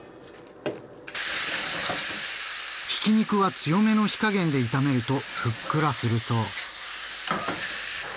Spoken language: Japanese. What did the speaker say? ひき肉は強めの火加減で炒めるとふっくらするそう。